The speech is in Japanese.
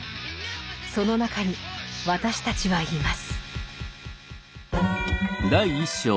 その中に私たちはいます。